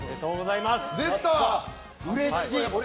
うれしい！